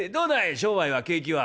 商売は景気は」。